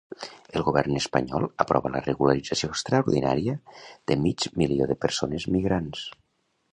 El govern espanyol aprova la regularització extraordinària de mig milió de persones migrants.